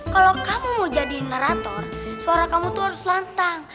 kalau kamu mau jadi nerator suara kamu tuh harus lantang